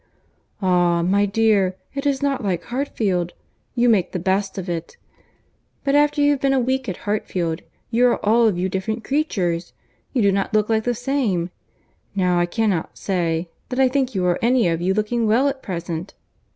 "Ah! my dear, it is not like Hartfield. You make the best of it—but after you have been a week at Hartfield, you are all of you different creatures; you do not look like the same. Now I cannot say, that I think you are any of you looking well at present."